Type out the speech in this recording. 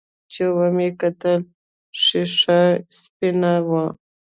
چې ومې کتل ښيښه سپينه وه.